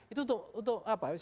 itu untuk apa